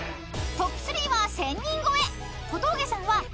［トップ３は１，０００人超え！］